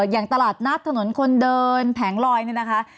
อย่างตลาดนัดถนนคนเดินแผงลอยนี่นะคะ